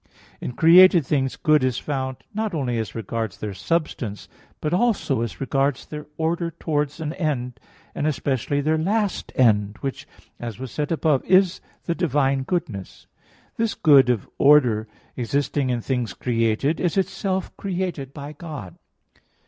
4). In created things good is found not only as regards their substance, but also as regards their order towards an end and especially their last end, which, as was said above, is the divine goodness (Q. 21, A. 4). This good of order existing in things created, is itself created by God.